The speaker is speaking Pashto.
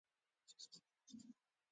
د جنګ یا کودتاه ګانو له لارې